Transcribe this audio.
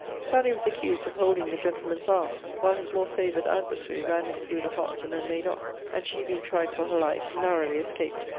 Sally was accused of holding the gentleman's arm, while his more favoured adversary ran him through the heart, and then made off. And she being tried for her life narrowly escaped.